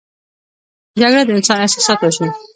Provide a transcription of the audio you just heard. جګړه د انسان احساسات وژني